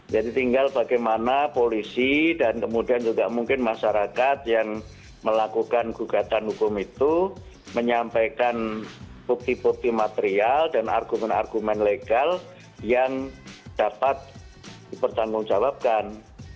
jadi tinggal bagaimana polisi dan kemudian juga mungkin masyarakat yang melakukan gugatan hukum itu menyampaikan bukti bukti material dan argumen argumen legal yang dapat dipertanggungjawabkan